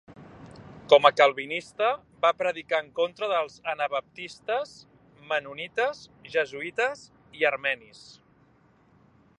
Com a Calvinista, va predicar en contra dels anabaptistes, mennonites, jesuïtes i armenis.